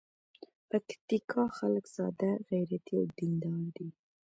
پکتیکا خلک ساده، غیرتي او دین دار دي.